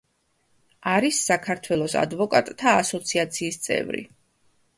არის საქართველოს ადვოკატთა ასოციაციის წევრი.